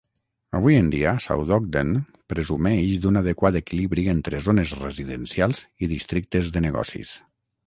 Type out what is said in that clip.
Avui en dia, South Ogden presumeix d'un adequat equilibri entre zones residencials i districtes de negocis.